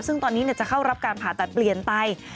ซึ่งตอนนี้จะเข้ารับการผ่าตัดเปลี่ยนไต